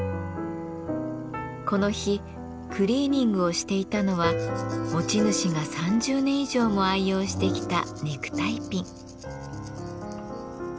この日クリーニングをしていたのは持ち主が３０年以上も愛用してきたネクタイピン。